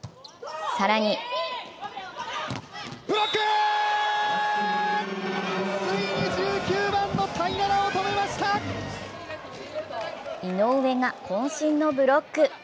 更に井上がこん身のブロック。